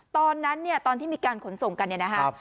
ตอนนั้นตอนที่มีการขนส่งกัน